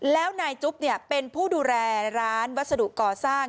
แล้วนายจุ๊บเป็นผู้ดูแลร้านวัสดุก่อสร้าง